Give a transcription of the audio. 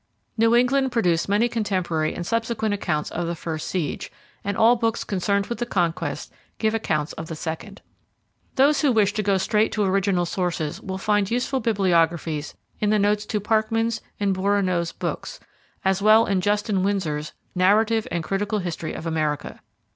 New England produced many contemporary and subsequent accounts of the first siege, and all books concerned with the Conquest give accounts of the second. Those who wish to go straight to original sources will find useful bibliographies in the notes to Parkman's and Bourinot's books, as well as in Justin Winsor's 'Narrative and Critical History of America'.